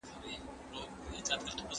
خپل کارونه د معلوماتو له مخي عیار کړئ.